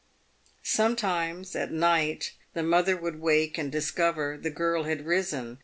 Sometimes, at night, the mother would wake, and discover the girl had risen.